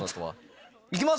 はい。